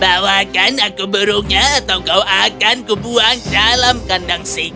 bawakan aku burungnya atau kau akan kubuang dalam kandang singko